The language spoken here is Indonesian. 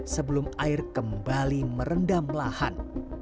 sebelum air kembali merendam lahan